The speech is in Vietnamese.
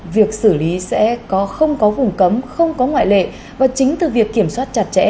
việc xử lý sẽ không có vùng cấm không có ngoại lệ và chính từ việc kiểm soát chặt chẽ